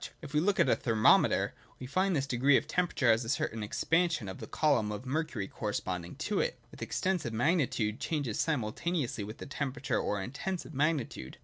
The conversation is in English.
If we look at a thermometer, we find this degree of temperature has a certain expansion of the column of mercury corresponding to it ; which Extensive magnitude changes simultaneously with the temperature or Intensive magnitude.